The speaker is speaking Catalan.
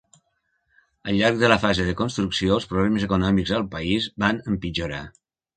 Al llarg de la fase de construcció, els problemes econòmics al país van empitjorar.